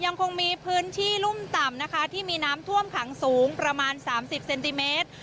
ยังคงมีพื้นที่รุ่มต่ำนะคะที่มีน้ำท่วมขังสูงประมาณ๓๐เซนติเมตร